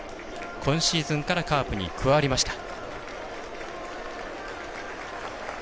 今シーズンからカープに加わりました。